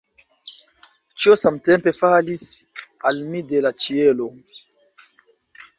Ĉio samtempe falis al mi de la ĉielo.